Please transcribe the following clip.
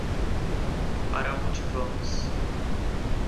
Para onde vamos